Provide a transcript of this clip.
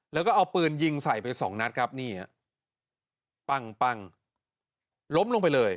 แล้วก็เอาปืนยิงใส่ไปสองนัดครับนี่ฮะปั้งปั้งล้มลงไปเลย